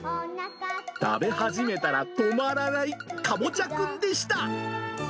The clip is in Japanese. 食べ始めたら止まらない、かぼちゃくんでした。